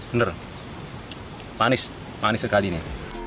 bener manis manis sekali ini